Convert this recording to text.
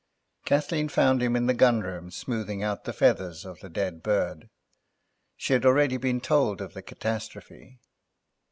Kathleen found him in the gun room smoothing out the feathers of the dead bird. She had already been told of the catastrophe.